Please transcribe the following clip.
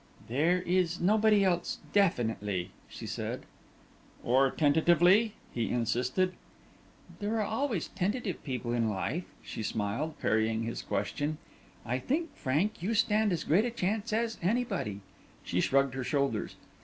"There is nobody else definitely," she said. "Or tentatively?" he insisted. "There are always tentative people in life," she smiled, parrying his question. "I think, Frank, you stand as great a chance as anybody." She shrugged her shoulders.